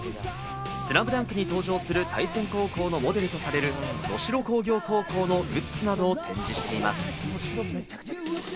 『ＳＬＡＭＤＵＮＫ』に登場する対戦高校のモデルとされる能代工業高校のグッズなどを展示しています。